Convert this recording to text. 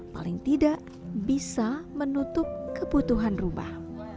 paling tidak bisa menutup kebutuhan rumah